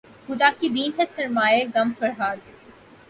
خدا کی دین ہے سرمایۂ غم فرہاد